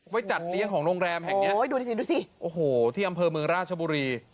จัดเลี้ยงของโรงแรมแห่งเนี้ยโอ้ยดูสิดูสิโอ้โหที่อำเภอเมืองราชบุรี